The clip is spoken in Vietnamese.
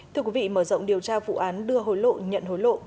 thưa quý vị mở rộng điều tra vụ án đưa hồi lộ nhận hối lộ